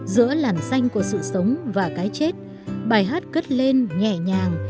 giữa làn xanh của sự sống và cái chết bài hát cất lên nhẹ nhàng